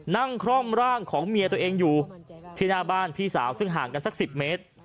คร่อมร่างของเมียตัวเองอยู่ที่หน้าบ้านพี่สาวซึ่งห่างกันสัก๑๐เมตร